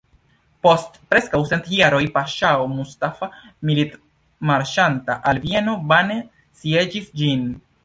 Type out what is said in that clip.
Post preskaŭ cent jaroj paŝao Mustafa, militmarŝanta al Vieno, vane sieĝis ĝin.